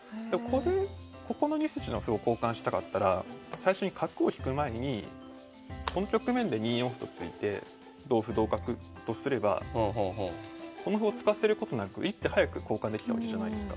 ここの２筋の歩を交換したかったら最初に角を引く前にこの局面で２四歩と突いて同歩同角とすればこの歩を突かせることなく１手早く交換できたわけじゃないですか。